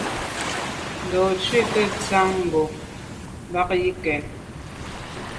Ndo’ ntshui nke ntshan ngo’ bàn yi ke yen.